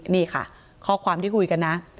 นี่ค่ะข้อความที่คุยกันนะ